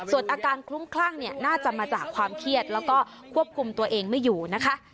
ส่วนอาการคลุ้มคลั่งเนี่ยน่าจะมาจากความเครียดแล้วก็ควบคุมตัวเองไม่อยู่นะคะ